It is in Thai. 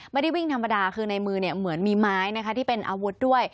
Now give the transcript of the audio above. ไม่ได้วิ่งธรรมดาคือในมือเหมือนมีไม้นะคะที่เป็นอาวุธด้วย